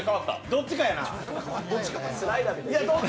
どっちかやな。